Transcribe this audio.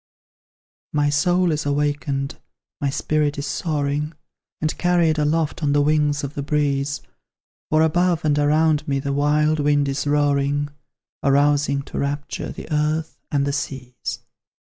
My soul is awakened, my spirit is soaring And carried aloft on the wings of the breeze; For above and around me the wild wind is roaring, Arousing to rapture the earth and the seas.